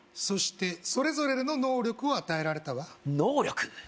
そしてそれぞれの能力を与えられたわ能力！？